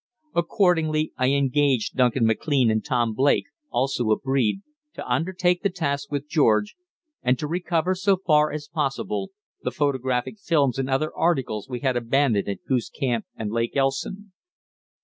Accordingly, I engaged Duncan MacLean and Tom Blake, also a breed, to undertake the task with George, and to recover, so far as possible, the photographic films and other articles we had abandoned at Goose Camp and Lake Elson.